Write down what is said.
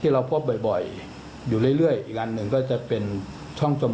เราพบบ่อยอยู่เรื่อยอีกอันหนึ่งก็จะเป็นช่องจม